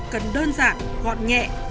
cần đơn giản gọn nhẹ